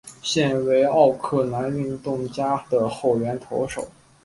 现为奥克兰运动家的后援投手。